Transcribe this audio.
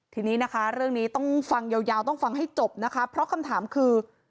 ทีนี้นะคะเรื่องนี้ต้องฟังยาวต้องฟังให้จบนะคะเพราะคำถามคือ